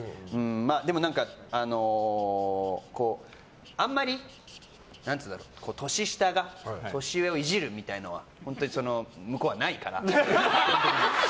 でも、何かあんまり年下が年上をイジるみたいなのは向こうはないから。